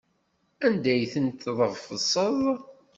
Anda ay tent-tḍefseḍ?